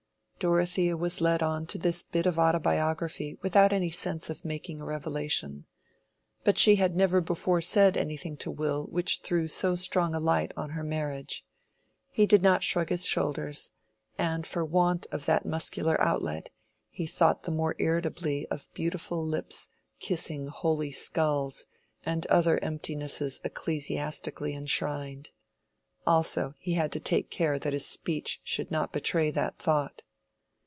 Dorothea was led on to this bit of autobiography without any sense of making a revelation. But she had never before said anything to Will which threw so strong a light on her marriage. He did not shrug his shoulders; and for want of that muscular outlet he thought the more irritably of beautiful lips kissing holy skulls and other emptinesses ecclesiastically enshrined. Also he had to take care that his speech should not betray that thought.